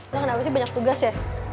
wah kenapa sih banyak tugas ya